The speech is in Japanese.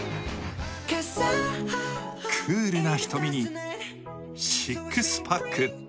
クールな瞳に、シックスパック。